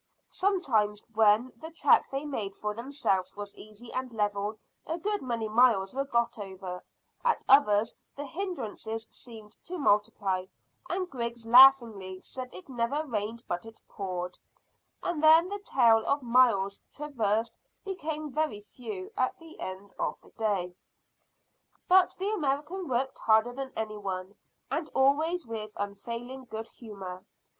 Sometimes when the track they made for themselves was easy and level a good many miles were got over; at others the hindrances seemed to multiply, and Griggs laughingly said it never rained but it poured, and then the tale of miles traversed became very few at the end of the day. But the American worked harder than any one, and always with unfailing good humour.